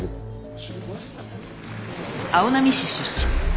青波市出身。